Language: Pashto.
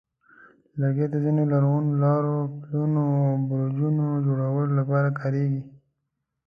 لرګي د ځینو لرغونو لارو، پلونو، او برجونو جوړولو لپاره کارېږي.